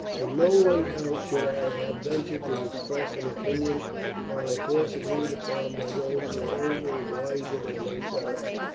"To no one else should I have ventured to express an opinion on a course agreed upon by those who are older and wiser than myself."